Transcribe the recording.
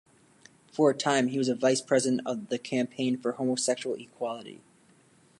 For a time, he was a vice-president of the Campaign for Homosexual Equality.